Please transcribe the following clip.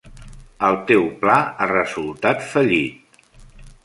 El teu pla ha resultat fallit.